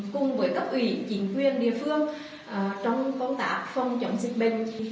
cùng với cấp ủy chính quyền địa phương trong công tác phong trọng dịch bệnh